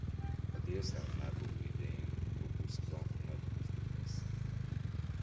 A délszláv háború idején Topuszka nagy pusztítást szenvedett.